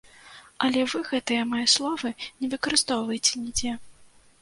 Але вы гэтыя мае словы не выкарыстоўвайце нідзе.